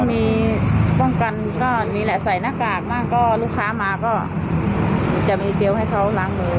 มีป้องกันก็นี่แหละใส่หน้ากากบ้างก็ลูกค้ามาก็จะมีเจลให้เขาล้างมือ